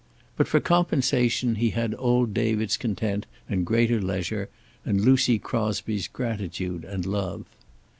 But for compensation he had old David's content and greater leisure, and Lucy Crosby's gratitude and love.